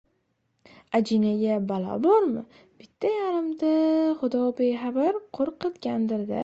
— Ajinaga balo bormi? Bitta-yarimta xudobexabar qo‘rqit- gandir-da.